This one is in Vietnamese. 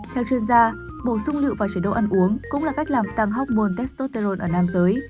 theo chuyên gia bổ sung lựu vào chế độ ăn uống cũng là cách làm tăng hóc môn testosterone ở nam giới